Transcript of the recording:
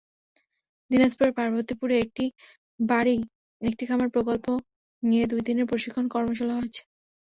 দিনাজপুরের পার্বতীপুরে একটি বাড়ি একটি খামার প্রকল্প নিয়ে দুই দিনের প্রশিক্ষণ কর্মশালা হয়েছে।